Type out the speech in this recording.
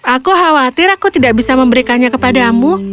aku khawatir aku tidak bisa memberikannya kepadamu